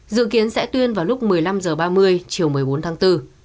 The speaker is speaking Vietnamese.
dự kiến sẽ tuyên vào lúc một mươi năm h ba mươi chiều một mươi bốn tháng bốn